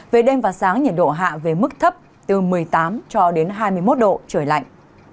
về đêm và sáng nhiệt độ hạ về mức thấp từ một mươi tám cho đến hai mươi một độ trời lạnh